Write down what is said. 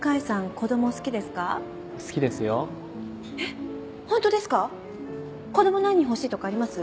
子供何人欲しいとかあります？